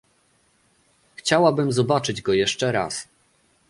"Chciałabym zobaczyć go jeszcze raz"